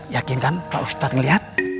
yakin kan pak ustad melihat